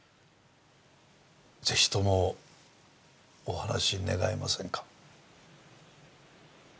ぜひともお話し願えませんか？